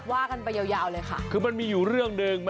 ว่ากันไปยาวเลยค่ะคือมันมีอยู่เรื่องหนึ่ง